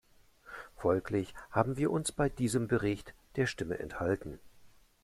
Folglich haben wir uns bei diesem Bericht der Stimme enthalten.